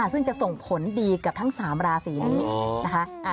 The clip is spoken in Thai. ซึ่งจะส่งผลดีกับทั้ง๓ราศีนี้นะคะ